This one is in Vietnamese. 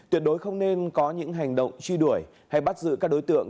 tuyệt đối không nên có những hành động truy đuổi hay bắt giữ các đối tượng